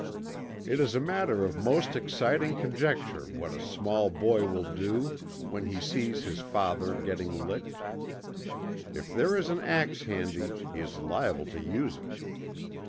It is a matter of most exciting conjecture what a small boy will do when he sees his father getting licked. If there is an axe handy he is liable to use it.